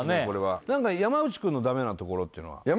これは何か山内くんのダメなところっていうのは？